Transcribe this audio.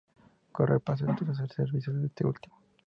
Correr pasó entonces al servicio de este último.